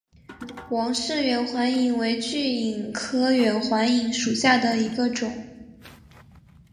王氏远环蚓为巨蚓科远环蚓属下的一个种。